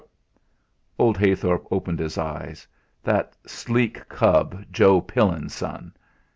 Old Heythorp opened his eyes. That sleek cub, Joe Pillin's son!